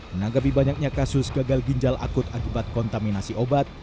menanggapi banyaknya kasus gagal ginjal akut akibat kontaminasi obat